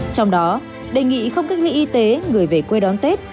trong đó đề nghị không kích ly y tế người về quê đón tết